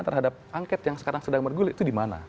terhadap angket yang sekarang sedang bergulir itu di mana